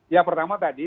ya pertama tadi